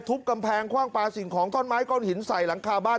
กำแพงคว่างปลาสิ่งของท่อนไม้ก้อนหินใส่หลังคาบ้าน